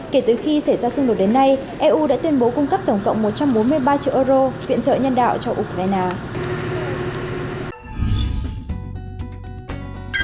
kể từ khi xảy ra xung đột đến nay eu đã tuyên bố cung cấp tổng cộng một trăm bốn mươi ba triệu euro viện trợ nhân đạo cho ukraine